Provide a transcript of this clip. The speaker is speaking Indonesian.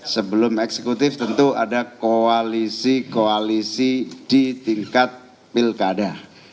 sebelum eksekutif tentu ada koalisi koalisi di tingkat pilkada